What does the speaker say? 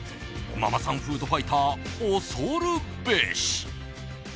ママさんフードファイター恐るべし。